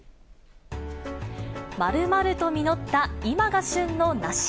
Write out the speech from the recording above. まるまると実った、今が旬の梨。